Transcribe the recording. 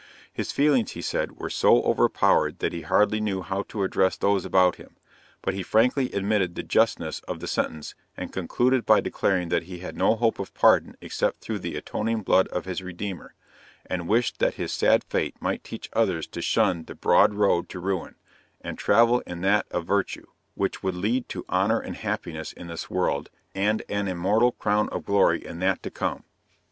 His feelings, he said, were so overpowered that he hardly knew how to address those about him, but he frankly admitted the justness of the sentence, and concluded by declaring that he had no hope of pardon except through the atoning blood of his Redeemer, and wished that his sad fate might teach others to shun the broad road to ruin, and travel in that of virtue, which would lead to honor and happiness in this world, and an immortal crown of glory in that to come.